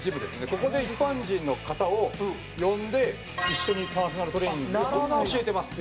「ここで一般人の方を呼んで一緒にパーソナルトレーニング」「教えてます